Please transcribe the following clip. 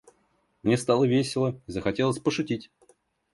Мне стало весело и захотелось пошутить.